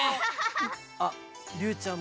ありゅうちゃん